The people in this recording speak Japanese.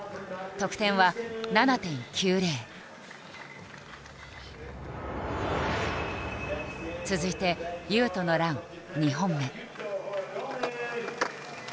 得点は続いて雄斗のラン２本目。